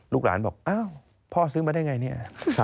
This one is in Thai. ลูกหลานบอกอ้าวพ่อซื้อมาได้ไงเนี่ย